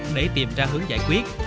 để tìm ra hướng giải quyết